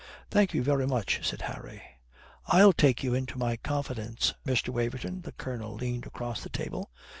"Thank you very much," said Harry. "I'll take you into my confidence, Mr. Waverton," the Colonel leaned across the table.